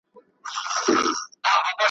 وصل دي دسترګو روښنایي زما